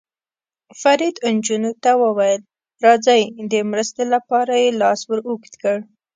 فرید نجونو ته وویل: راځئ، د مرستې لپاره یې لاس ور اوږد کړ.